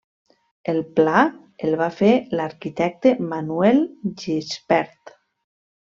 El pla el va fer l'arquitecte Manuel Gispert.